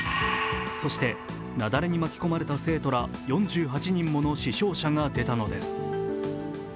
そして雪崩に巻き込まれた生徒ら４８人もの死傷者が出たのです。